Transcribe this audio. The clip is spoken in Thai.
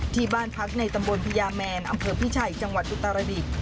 ที่บ้านพักในตำบลพญาแมนอำเภอพิชัยจังหวัดอุตรดิษฐ์